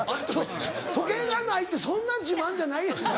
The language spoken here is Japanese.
時計がないってそんな自慢じゃないやんか。